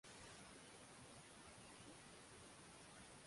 amekataliwa kuachiliwa kwa dhamana